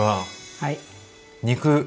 はい。